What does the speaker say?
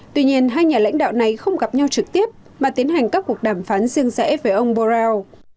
tuy nhiên hai nhà lãnh đạo này không gặp nhau trực tiếp mà tiến hành các cuộc đàm phán riêng rẽ với ông borrell